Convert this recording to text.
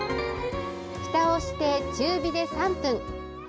ふたをして中火で３分。